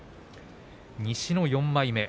西の４枚目。